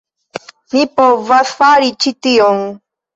Mi povas fari ĉi tion!